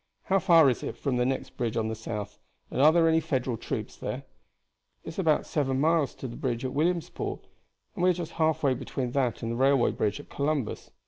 How far is it from the next bridge on the south, and are there any Federal troops there?" "It is about seven miles to the bridge at Williamsport, we are just halfway between that and the railway bridge at Columbus.